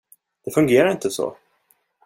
Det fungerar inte så!